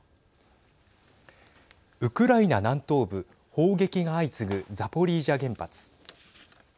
ウクライナ南東部砲撃が相次ぐザポリージャ原発。